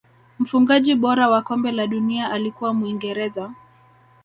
mfungaji bora wa kombe la dunia alikuwa muingereza